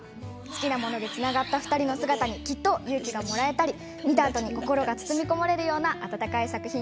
好きなものでつながった２人の姿にきっと勇気がもらえたり見た後に心が包み込まれるような温かい作品です。